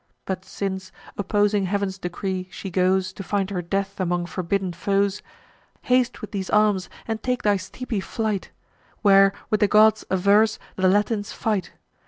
But since, opposing Heav'n's decree, she goes To find her death among forbidden foes, Haste with these arms, and take thy steepy flight. Where, with the gods, averse, the Latins fight.